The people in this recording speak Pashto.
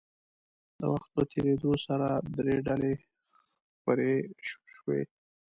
د وخت په تېرېدو سره درې ډلې خپرې شوې.